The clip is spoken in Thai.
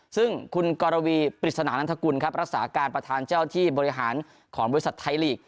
ซึ่งคุณกรวีปริศนานันทกุลครับรักษาการประธานเจ้าที่บริหารของบริษัทไทยลีก